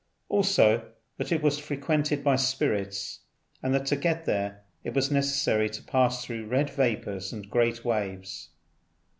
Also that it was frequented by spirits, and that to get there it was necessary to pass through red vapours and great waves.